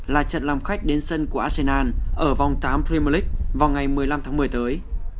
là trận làm khách đến sân của arsenal ở vòng tám premier league vào ngày một mươi năm tháng một mươi tới